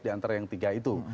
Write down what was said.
di antara yang tiga itu